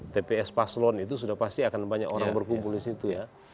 tps paslon itu sudah pasti akan banyak orang berkumpul di situ ya